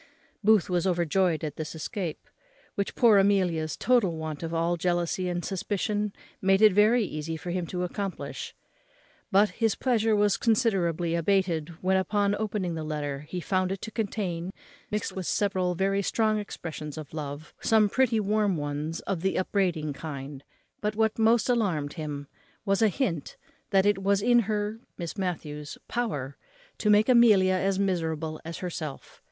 Booth was overjoyed at this escape, which poor Amelia's total want of all jealousy and suspicion made it very easy for him to accomplish; but his pleasure was considerably abated when, upon opening the letter, he found it to contain, mixed with several very strong expressions of love, some pretty warm ones of the upbraiding kind; but what most alarmed him was a hint that it was in her (Miss Matthews's) power to make Amelia as miserable as herself.